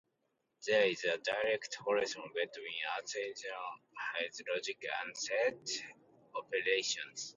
There is a direct correspondence between arithmetic on Iverson brackets, logic, and set operations.